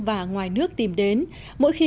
và ngoài nước tìm đến mỗi khi